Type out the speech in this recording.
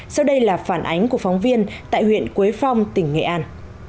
sau đây là phản ánh của phóng viên tại huyện quế phong tỉnh nghệ an